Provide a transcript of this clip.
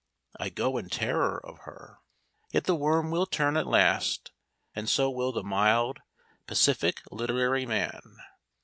I go in terror of her. Yet the worm will turn at last, and so will the mild, pacific literary man.